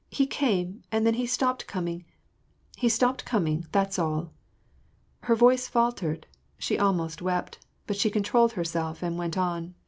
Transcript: He came, and then he stopped coming — he stopped coming, that's alL" Her voice faltered: she almost wept; but she controlled herself, and went on, — WAR AND PEACE.